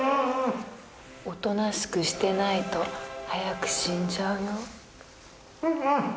大人しくしてないと早く死んじゃうよ。